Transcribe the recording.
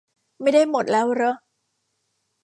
ไม่ได้หมดแล้วเรอะ